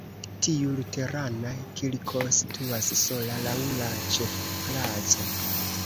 Tiu luterana kirko situas sola laŭ la ĉefplaco.